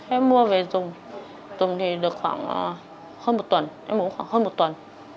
em mua về dùng dùng thì được khoảng hơn một tuần em mua khoảng hơn một tuần